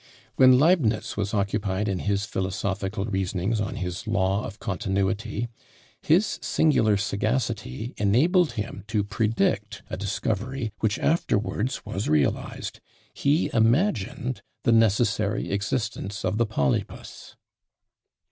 When Leibnitz was occupied in his philosophical reasonings on his Law of Continuity, his singular sagacity enabled him to predict a discovery which afterwards was realised he imagined the necessary existence of the polypus!